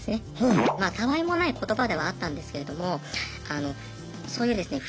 まあたあいもない言葉ではあったんですけれどもそういうですね